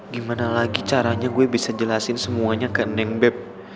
gimana lagi caranya gue bisa jelasin semuanya ke nengbe